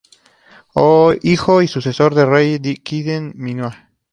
Hijo y sucesor del rey Kidin-Ninua.